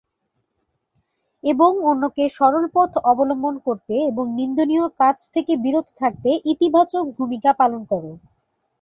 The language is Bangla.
এবং অন্যকে সরল পথ অবলম্বন করতে এবং নিন্দনীয় কাজ থেকে বিরত থাকতে ইতিবাচক ভূমিকা পালন কর।